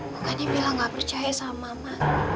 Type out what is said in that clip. bukannya mila gak percaya sama mama